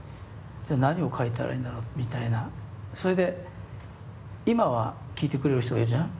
じゃあ何を書いたらいいんだろうみたいな。それで今は聴いてくれる人がいるじゃん？